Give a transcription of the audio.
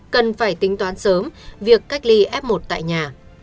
cần phải tính toán sớm việc cách ly f một tại nhà